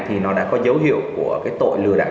thì nó đã có dấu hiệu của cái tội lừa đảo